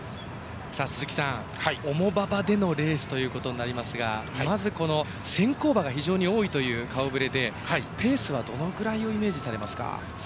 鈴木さん、重馬場でのレースということになりますがまず先行馬が非常に多いという顔ぶれで、ペースはどのくらいをイメージされますか。